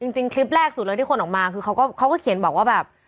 จริงคลิปแรกสุดเลยที่คนออกมาคือเขาก็เขียนบอกว่าแบบ